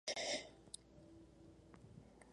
La iglesia lleva el nombre de Hilario de Poitiers.